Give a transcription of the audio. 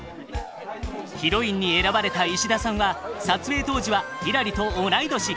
ヒロインに選ばれた石田さんは撮影当時はひらりと同い年。